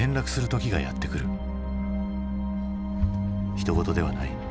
ひと事ではない。